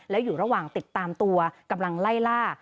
แล้วอยู่ระหว่างติดตามตัวกำลังไล่ล่า